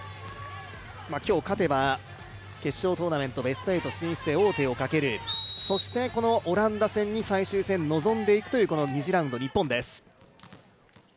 今日勝てば、決勝トーナメント、ベスト８進出へ王手をかける、そしてオランダ戦に最終戦、臨んでいくという２次ラウンド、日本です。